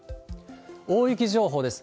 大雪情報です。